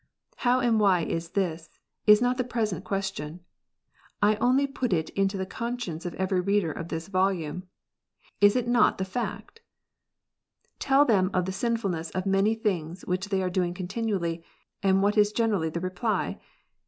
How and why is this, is not the present ques tion. I only put it to the conscience of every reader of this volume, Is it not the fact 1 Tell them of the sinfulness of many things which they are doing continually; and what is generally the reply?